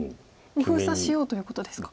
もう封鎖しようということですか。